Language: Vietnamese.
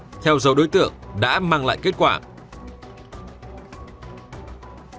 tuy nhiên cách khó với các trình sát là đối tượng phạm anh vũ không ở cố định một nơi